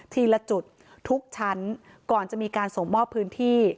ละจุดทุกชั้นก่อนจะมีการส่งมอบพื้นที่